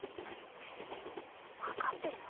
わかってるの？